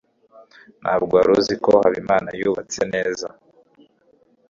ntabwo wari uzi ko habimana yubatse